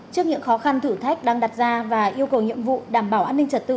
trước những khó khăn thử thách đang đặt ra và yêu cầu nhiệm vụ đảm bảo an ninh trật tự